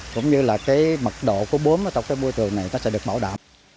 cũng như là cái mật độ của búm ở trong cái môi trường này sẽ được bảo đảm